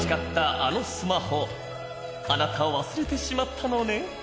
あなた忘れてしまったのね。